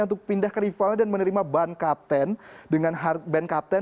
untuk pindah ke rivalnya dan menerima ban kapten